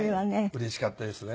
うれしかったですね。